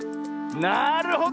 なるほど！